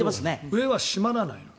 上は閉まらないの？